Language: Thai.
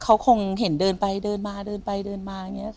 เขาคงเห็นเดินไปเดินมาเดินไปเดินมาอย่างนี้